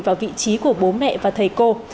vào vị trí của bố mẹ và thầy cô